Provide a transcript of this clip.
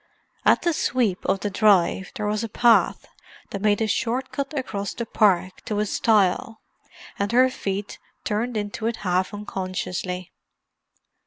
At the sweep of the drive there was a path that made a short cut across the park to a stile, and her feet turned into it half unconsciously.